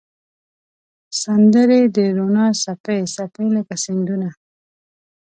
سندرې د روڼا څپې، څپې لکه سیندونه